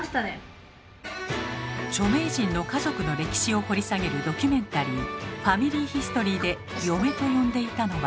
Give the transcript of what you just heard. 著名人の家族の歴史を掘り下げるドキュメンタリー「ファミリーヒストリー」で「嫁」と呼んでいたのは。